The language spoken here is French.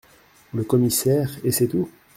Le Commissaire Et c’est tout ?…